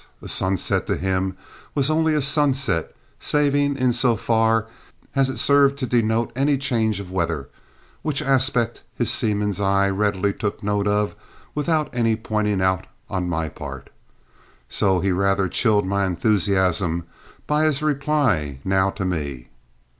A sunset to him was only a sunset, saving in so far as it served to denote any change of weather, which aspect his seaman's eye readily took note of without any pointing out on my part; so he rather chilled my enthusiasm by his reply now to me.